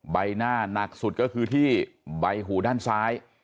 ใบหน้าหนักสุดก็คือที่ใบหูด้านซ้าย